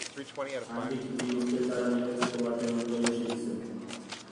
Handik bi urtetara bihotzeko baten ondorioz hil zen.